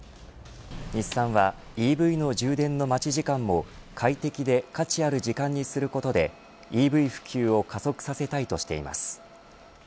日産はＥＶの充電の待ち時間も快適で価値ある時間にすることでＥＶ普及を加速させたいとしています。